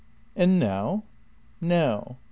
And now? " "Now. .